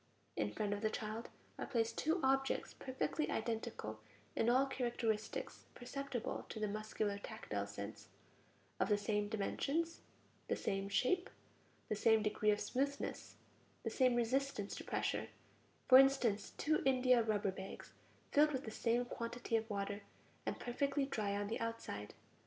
In front of the child are placed two objects perfectly identical in all characteristics perceptible to the muscular tactile sense: of the same dimensions, the same shape, the same degree of smoothness, the same resistance to pressure; for instance, two india rubber bags, filled with the same quantity of water, and perfectly dry on the outside.